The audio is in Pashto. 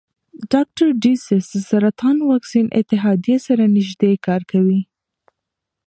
ډاکټر ډسیس د سرطان واکسین اتحادیې سره نژدې کار کوي.